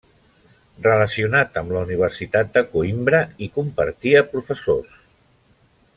Relacionat amb la Universitat de Coïmbra, hi compartia professors.